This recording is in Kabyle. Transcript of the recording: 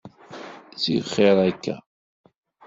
Ttif xir akka.